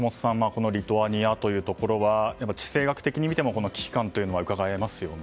このリトアニアというところは地政学的に見ても危機感がうかがえますよね。